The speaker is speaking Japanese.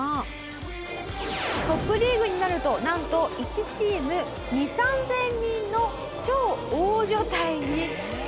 トップリーグになるとなんと１チーム２０００３０００人の超大所帯に！